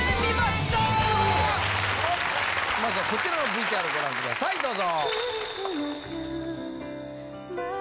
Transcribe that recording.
まずはこちらのＶＴＲご覧くださいどうぞ！